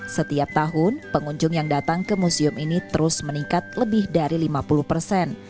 setiap tahun pengunjung yang datang ke museum ini terus meningkat lebih dari lima puluh persen